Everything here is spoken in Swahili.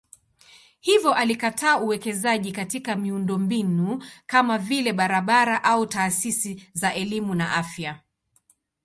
Hivyo alikataa uwekezaji katika miundombinu kama vile barabara au taasisi za elimu na afya.